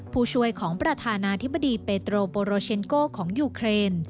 ผู้ช่วยของประธานาธิบดีเปโตรโปโรเชนโกของยูเครน